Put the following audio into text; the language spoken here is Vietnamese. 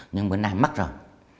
nhưng bữa nay mất rồi